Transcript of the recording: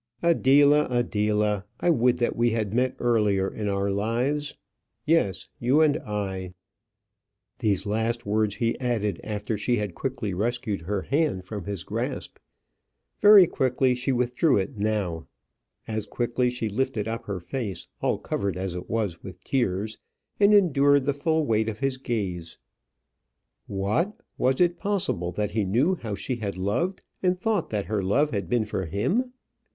"Adela! Adela! I would that we had met earlier in our lives. Yes, you and I." These last words he added after she had quickly rescued her hand from his grasp. Very quickly she withdrew it now. As quickly she lifted up her face, all covered as it was with tears, and endured the full weight of his gaze. What! was it possible that he knew how she had loved, and thought that her love had been for him!